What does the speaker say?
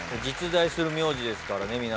実在する名字ですからね。